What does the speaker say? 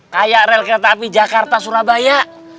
kayak rel kereta api jakarta surabaya